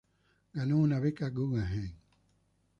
Ganó una Beca Guggenheim.